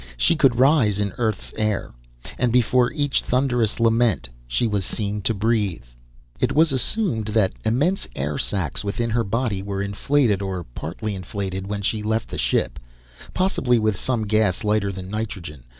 She could rise in Earth's air. And before each thunderous lament she was seen to breathe. It was assumed that immense air sacs within her body were inflated or partly inflated when she left the ship, possibly with some gas lighter than nitrogen.